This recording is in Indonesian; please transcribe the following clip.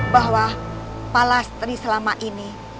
bahwa pak lastri selama ini